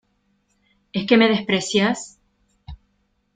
¿ es que me desprecias?